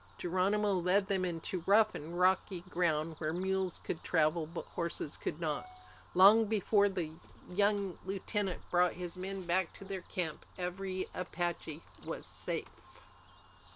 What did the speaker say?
Geronimo led them into rough and rocky ground where mules could travel but horses could not. Long before the young lieutenant brought his men back to their camp, every Apache was safe.